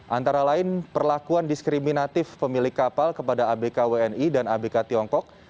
antara lain perlakuan diskriminatif pemilik kapal kepada abk wni dan abk tiongkok